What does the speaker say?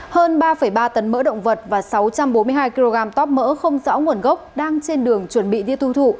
hơn ba ba tấn mỡ động vật và sáu trăm bốn mươi hai kg tóp mỡ không rõ nguồn gốc đang trên đường chuẩn bị đi tiêu thụ